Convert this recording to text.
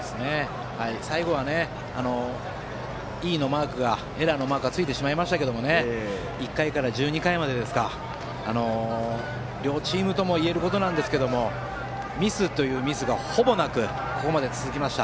最後はエラーのマークがついてしまいましたが１回から１２回まで両チームとも言えることですがミスというミスがほぼなくここまで続きました。